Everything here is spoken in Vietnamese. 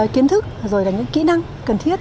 kiến thức rồi là những kỹ năng cần thiết